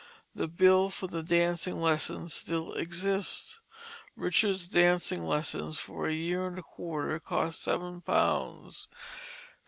The bill for the dancing lessons still exists. Richard's dancing lessons for a year and a quarter cost seven pounds.